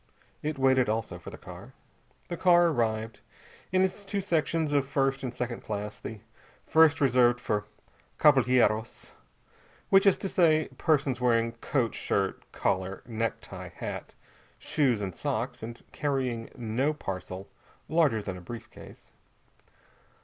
It waited, also, for the car. The car arrived, in its two sections of first and second class; the first reserved for cavalhieros, which is to say persons wearing coat, shirt, collar, necktie, hat, shoes and socks, and carrying no parcel larger than a brief case.